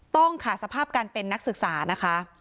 ต้องขาดสภาพการเป็นนักศึกษานะคะ